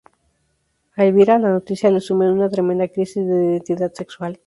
A Elvira la noticia la sume en una tremenda crisis de identidad sexual.